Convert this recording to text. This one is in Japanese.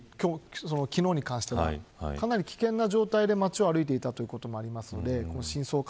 今回、包丁を所持しながら昨日に関してはかなり危険な状態で、街を歩いていたということもあります。